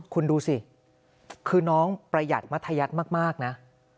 คุณดูสิคือน้องประหยัดมัธยัติมากนะ